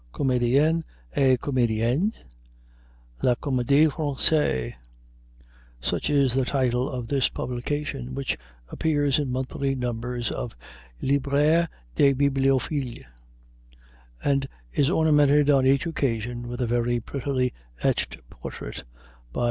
Comédiens et Comédiennes: la Comédie Française such is the title of this publication, which appears in monthly numbers of the "Librairie des Bibliophiles," and is ornamented on each occasion with a very prettily etched portrait, by M.